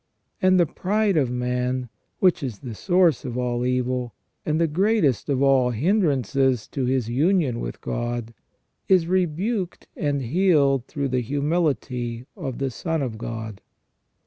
And the pride of man, which is the source of all evil, and the greatest of all hindrances to his union with God, is rebuked and healed through the humility of the Son of God.